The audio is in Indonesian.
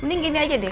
mending gini aja deh